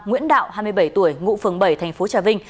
nguyễn đạo hai mươi bảy tuổi ngụ phường bảy tp hcm